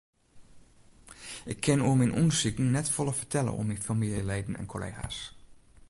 Ik kin oer myn ûndersiken net folle fertelle oan famyljeleden en kollega's.